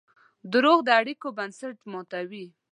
دروغ د اړیکو بنسټ ماتوي.